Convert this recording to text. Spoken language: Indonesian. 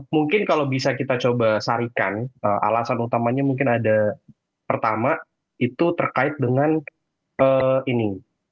mungkin kalau bisa kita coba sarikan alasan utamanya mungkin ada pertama itu terkait dengan ini